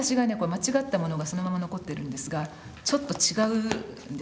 間違ったものがそのまま残ってるんですがちょっと違うんですね。